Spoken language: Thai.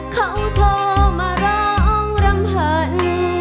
เขาโทรมาร้องรำพัน